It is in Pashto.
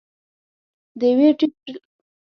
د يوه په ټټر کې لوی پرار ښکارېده.